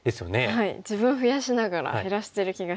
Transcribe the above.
自分増やしながら減らしてる気がして。